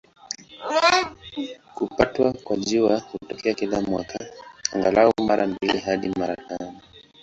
Kupatwa kwa Jua hutokea kila mwaka, angalau mara mbili hadi mara tano.